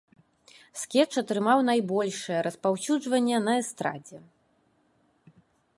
Скетч атрымаў найбольшае распаўсюджванне на эстрадзе.